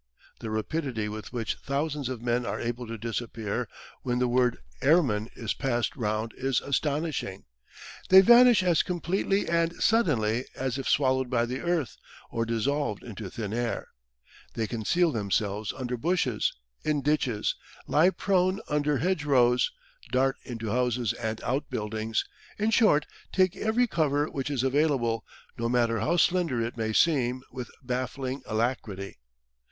The rapidity with which thousands of men are able to disappear when the word "Airman" is passed round is astonishing. They vanish as completely and suddenly as if swallowed by the earth or dissolved into thin air. They conceal themselves under bushes, in ditches, lie prone under hedgerows, dart into houses and outbuildings in short, take every cover which is available, no matter how slender it may seem, with baffling alacrity.